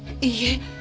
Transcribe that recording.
いいえ。